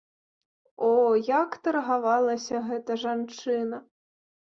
О, як таргавалася гэта жанчына!